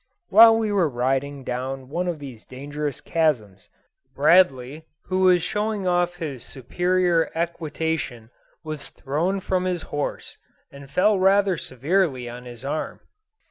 While we were riding down one of these dangerous chasms, Bradley, who was showing off his superior equitation, was thrown from his horse, and fell rather severely on his arm.